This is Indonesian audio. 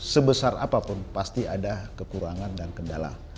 sebesar apapun pasti ada kekurangan dan kendala